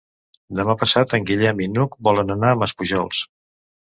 Demà passat en Guillem i n'Hug volen anar a Maspujols.